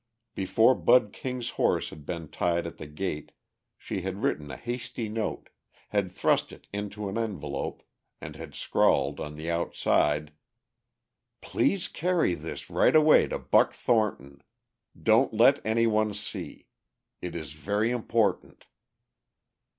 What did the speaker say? Before Bud King's horse had been tied at the gate she had written a hasty note, had thrust it into an envelope, and had scrawled on the outside: "Please carry this right away to Buck Thornton. Don't let any one see. It is very important."